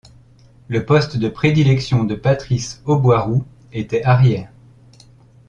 Le poste de prédilection de Patrice Auboiroux était arrière.